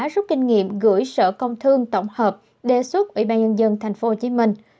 rút kinh nghiệm gửi sở công thương tổng hợp đề xuất ủy ban nhân dân tp hồ chí minh